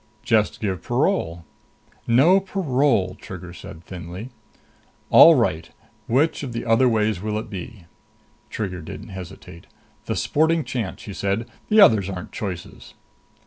"Just give parole." "No parole," Trigger said thinly. "All right. Which of the other ways will it be?" Trigger didn't hesitate. "The sporting chance," she said. "The others aren't choices."